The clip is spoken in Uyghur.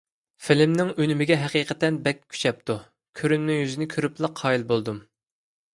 فىلىمنىڭ ئۈنۈمىگە ھەقىقەتەن بەك كۈچەپتۇ، كۆرۈنمە يۈزىنى كۆرۈپلا قايىل بولدۇم.